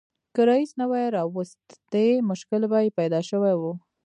که رییس نه وای راوستي مشکل به یې پیدا شوی و.